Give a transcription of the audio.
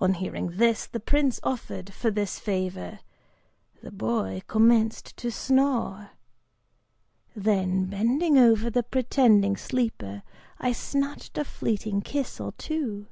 On hearing the price offered for this favor, the boy commenced to snore! Then, bending over the pretending sleeper, I snatched a fleeting kiss or two.